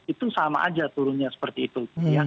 itu sama aja turunnya seperti itu